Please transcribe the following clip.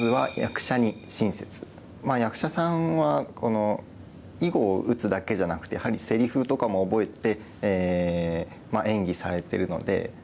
まずは役者さんは囲碁を打つだけじゃなくてやはりせりふとかも覚えて演技されてるので。